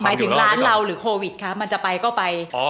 หมายถึงร้านเราหรือโควิดคะมันจะไปก็ไป